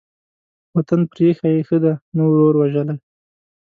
وطن پرې ايښى ښه دى ، نه ورور وژلى.